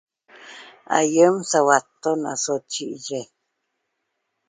Aýem sauatton aso chi'shi